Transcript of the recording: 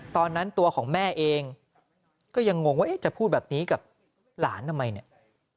ตอนนั้นตัวของแม่เองก็ยังงงว่าจะพูดแบบนี้กับหลานทำไมเนี่ย